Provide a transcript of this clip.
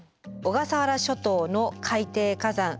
小笠原諸島の海底火山